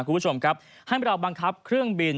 คุณผู้ชมครับให้เราบังคับเครื่องบิน